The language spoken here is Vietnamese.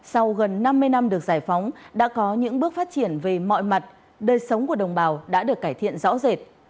sau gần năm mươi năm được giải phóng đã có những bước phát triển về mọi mặt đời sống của đồng bào đã được cải thiện rõ rệt